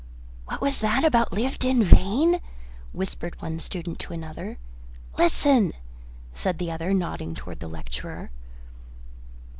"What was that about 'lived in vain'?" whispered one student to another. "Listen," said the other, nodding towards the lecturer.